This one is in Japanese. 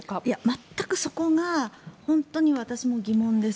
全くそこが本当に私も疑問です。